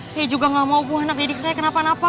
saya juga gak mau bu anak didik saya kenapa napa